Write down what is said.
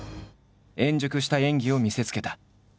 円熟した演技を見せつけた。